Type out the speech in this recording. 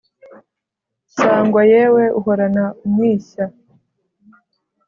Sangwa yewe uhorana umwishya